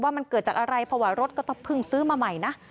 ว่ามันเกิดจากอะไรเพราะว่ารถก็ต้องเพิ่งซื้อมาใหม่นะ